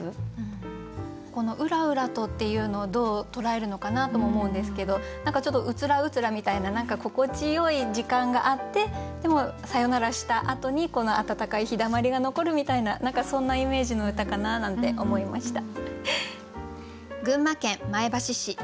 ここの「うらうらと」っていうのをどう捉えるのかなとも思うんですけど何かちょっとうつらうつらみたいな心地よい時間があってでもさよならしたあとにあたたかい日だまりが残るみたいな何かそんなイメージの歌かななんて思いました。